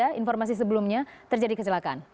itu saja informasi sebelumnya terjadi kecelakaan